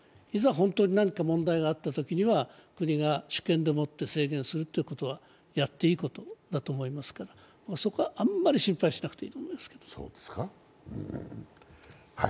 いざ、本当に何か問題があったときには国が主権でもって制限することはやっていいことだと思うので、そこはあんまり心配しなくていいと思いますけど。